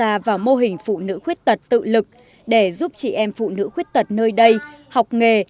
tham gia vào mô hình phụ nữ khuyết tật tự lực để giúp chị em phụ nữ khuyết tật nơi đây học nghề